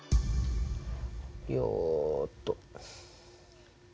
よっと。